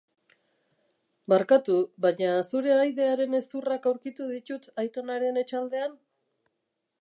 Barkatu, baina zure ahaidearen hezurrak aurkitu ditut aitonaren etxaldean?